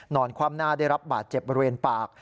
คว่ำหน้าได้รับบาดเจ็บบริเวณปาก